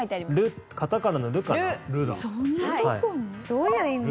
どういう意味？